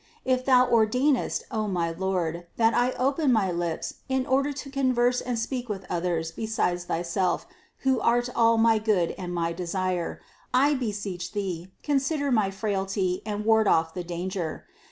If Thou ordainest, O my Lord, that I open my lips in order to converse and speak with others besides Thyself who art all my good and my desire, I beseech Thee, consider my frailty and ward off the danger.